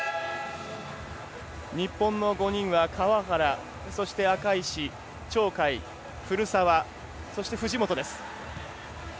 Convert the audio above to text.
日本の５人は川原と赤石鳥海古澤、そして藤本です。